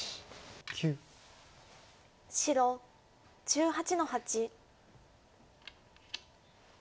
白１８の八。